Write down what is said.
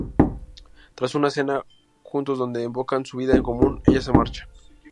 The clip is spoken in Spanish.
Tras una cena juntos donde evocan su vida en común ella se marcha.